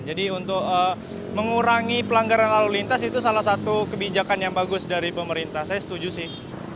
jadi untuk mengurangi pelanggaran lalu lintas itu salah satu kebijakan yang bagus dari pemerintah saya setuju sih